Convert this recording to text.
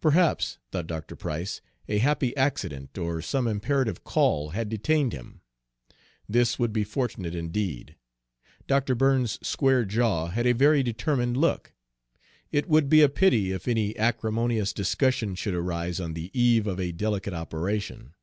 Perhaps, thought Dr. Price, a happy accident, or some imperative call, had detained him. This would be fortunate indeed. Dr. Burns's square jaw had a very determined look. It would be a pity if any acrimonious discussion should arise on the eve of a delicate operation.